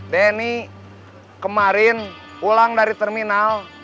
denny kemarin pulang dari terminal